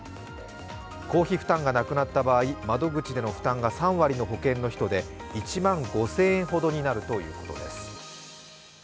公費負担がなくなった場合窓口での負担が３割の人で１万５０００円ほどになるということです。